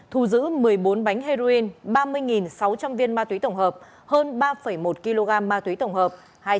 thu giữ một mươi bốn bánh heroin ba mươi sáu trăm linh viên ma túy tổng hợp hơn ba một kg ma túy tổng hợp